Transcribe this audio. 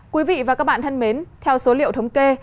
quý vị và các bạn thân mến theo số liệu thống kê